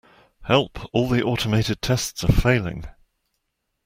Help! All the automated tests are failing!